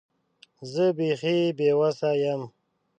زه بیخي بې وسه یم .